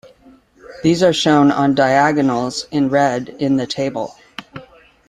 These are shown on diagonals, in red, in the table.